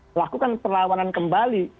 melakukan perlawanan kembali